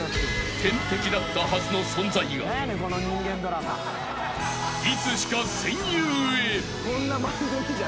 ［天敵だったはずの存在がいつしか戦友へ］